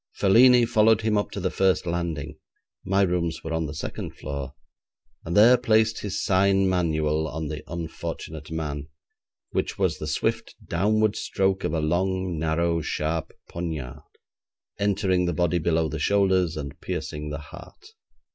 Felini followed him up to the first landing my rooms were on the second floor and there placed his sign manual on the unfortunate man, which was the swift downward stroke of a long, narrow, sharp poniard, entering the body below the shoulders, and piercing the heart.